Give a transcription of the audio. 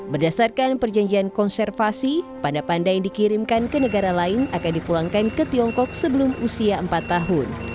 berdasarkan perjanjian konservasi panda panda yang dikirimkan ke negara lain akan dipulangkan ke tiongkok sebelum usia empat tahun